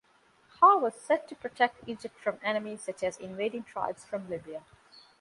Ha was said to protect Egypt from enemies such as invading tribes from Libya.